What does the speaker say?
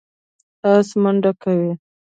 آس منډه کوي.